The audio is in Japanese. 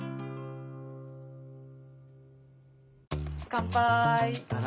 乾杯。